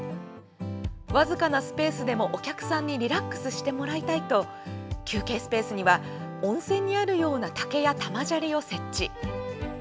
僅かなスペースでもお客さんにリラックスしてもらいたいと休憩スペースには温泉にあるような竹や玉砂利を設置。